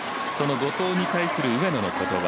後藤に対する上野の言葉。